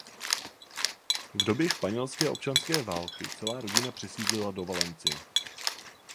V době Španělské občanské války celá rodina přesídlila do Valencie.